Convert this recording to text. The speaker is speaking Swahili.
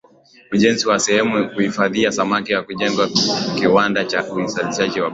Ujenzi wa sehemu ya kuhifadhia samaki na kujenga kiwanda cha uzalishaji barafu